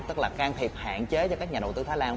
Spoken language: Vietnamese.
tức là can thiệp hạn chế cho các nhà đầu tư thái lan